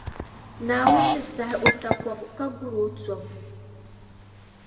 Naawuni ni sahi o takɔbi ka guri o tɔbu.